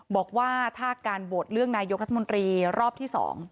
บอกว่าถ้าการโหวตเลือกนายกรัฐมนตรีรอบที่๒